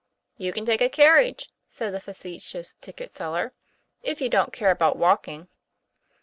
" "You can take a carriage," said the facetious ticket seller, "if you don't care about walking."